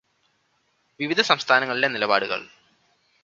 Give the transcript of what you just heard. വിവിധ സംസ്ഥാനങ്ങളിലെ നിലപാടുകള്